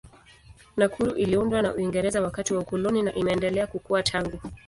Nakuru iliundwa na Uingereza wakati wa ukoloni na imeendelea kukua tangu.